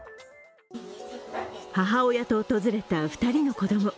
母親と訪れた２人の子供。